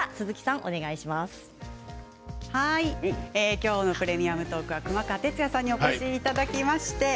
今日の「プレミアムトーク」は熊川哲也さんにお越しいただきました。